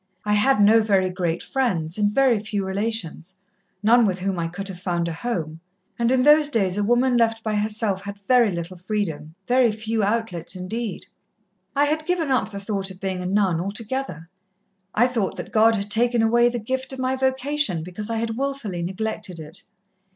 I had no very great friends, and very few relations none with whom I could have found a home; and in those days a woman left by herself had very little freedom, very few outlets indeed. I had given up the thought of being a nun altogether. I thought that God had taken away the gift of my vocation because I had wilfully neglected it.